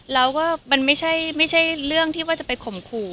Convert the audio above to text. แล้วก็มันไม่ใช่เรื่องที่ว่าจะไปข่มขู่